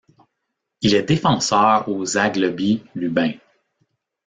Il est défenseur au Zaglebie Lubin.